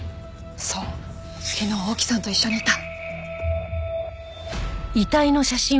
そう昨日大木さんと一緒にいた。